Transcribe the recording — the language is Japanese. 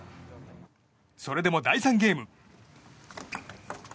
それでも第３ゲーム。